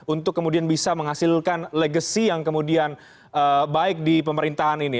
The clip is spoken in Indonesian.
untuk kemudian bisa menghasilkan legacy yang kemudian baik di pemerintahan ini